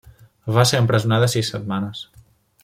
Va ser empresonada sis setmanes.